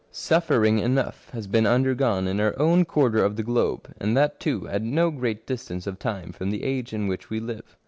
Suffering enough has been under gone in our own quarter of the globe, and that too at no great distance of time from the age in which we live.